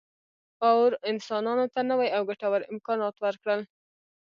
اور انسانانو ته نوي او ګټور امکانات ورکړل.